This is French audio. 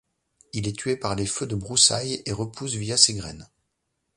Il est tué par les feux de broussaille et repousse via ses graines.